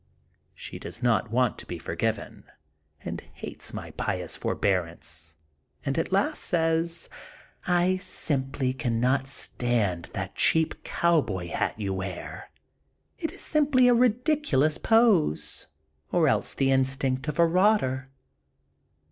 She does not want to be forgiven, and hates my pious forbearance and at last says: *'I simply cannot stand that cheap cowboy hat you wear. It is simply a ridiculous pose or else the instinct of a rotter.'